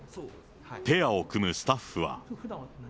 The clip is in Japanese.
ペアを組むスタッフは。